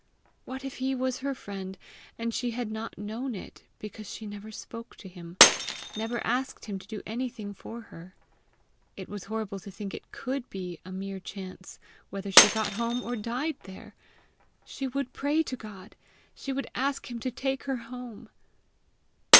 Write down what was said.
What if he was her friend, and she had not known it because she never spoke to him, never asked him to do anything for her? It was horrible to think it could be a mere chance whether she got home, or died there! She would pray to God! She would ask him to take her home!